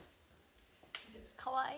かわいい。